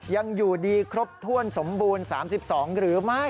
ยังอยู่ดีครบถ้วนสมบูรณ์๓๒หรือไม่